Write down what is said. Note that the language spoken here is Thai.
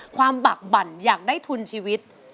บักบั่นอยากได้ทุนชีวิต